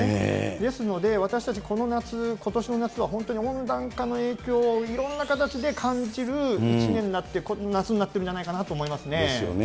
ですので、私たち、この夏、ことしの夏は本当に温暖化の影響をいろんな形で感じる一年になってる、夏になってくるんじゃないですよね。